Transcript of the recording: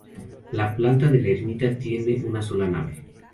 La planta de la ermita tiene una sola nave.